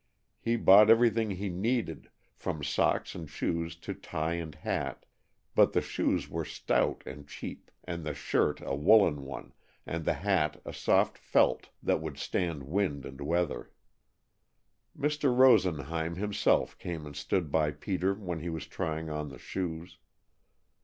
He bought everything he needed, from socks and shoes to tie and hat, but the shoes were stout and cheap, and the shirt a woolen one, and the hat a soft felt that would stand wind and weather. Mr. Rosenheim himself came and stood by Peter when he was trying on the shoes.